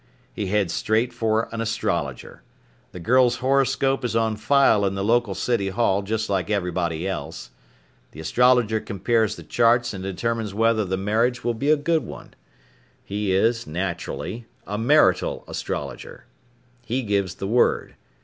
He heads straight for an astrologer. The girl's horoscope is on file in the local city hall, just like everybody else. The astrologer compares the charts and determines whether the marriage will be a good one. He is, naturally, a marital astrologer. He gives the word.